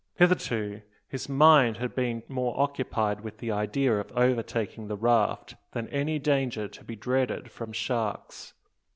Hitherto his mind had been more occupied with the idea of overtaking the raft, than any danger to be dreaded from sharks.